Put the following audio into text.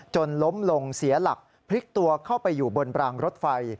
ล้มลงเสียหลักพลิกตัวเข้าไปอยู่บนรางรถไฟ